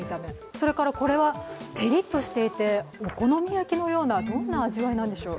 それからこれはペリッとしていてお好み焼きのような、どんな味わいなんでしょう。